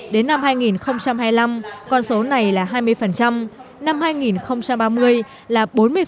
đến năm hai nghìn hai mươi năm con số này là hai mươi năm hai nghìn ba mươi là bốn mươi